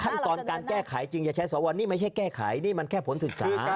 ขั้นตอนการแก้ไขจริงจะใช้สวนี่ไม่ใช่แก้ไขนี่มันแค่ผลศึกษา